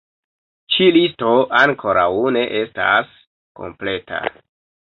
Ĉi-listo ankoraŭ ne estas kompleta.